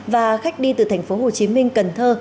và khách đi từ tp hcm cần thơ